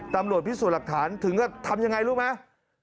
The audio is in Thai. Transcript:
ตำรวจพิสูจน์หลักฐานถึงก็ทำยังไงรู้ไหม